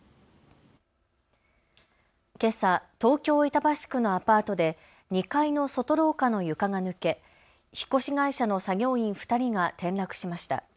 けさ東京板橋区のアパートで２階の外廊下の床が抜け引っ越し会社の作業員２人が転落しました。